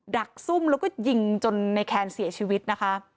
ดักซุ่มแล้วก็ยิงจนในแคนเสียชีวิตนะคะ